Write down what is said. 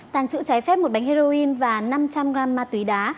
tàng trữ trái phép một bánh heroin và năm trăm linh gram ma túy đá